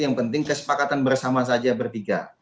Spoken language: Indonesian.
yang penting kesepakatan bersama saja bertiga